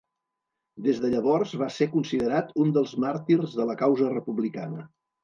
Des de llavors va ser considerat un dels màrtirs de la causa republicana.